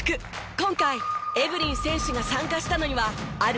今回エブリン選手が参加したのにはある理由が。